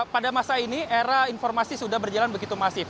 pada masa ini era informasi sudah berjalan begitu masif